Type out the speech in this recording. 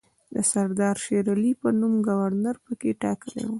د سردار شېرعلي په نوم ګورنر پکې ټاکلی وو.